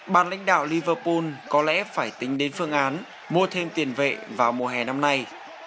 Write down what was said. bàn lãnh đạo liverpool có lẽ phải tính đến phương án mua thêm tiền vệ vào mùa hè năm nay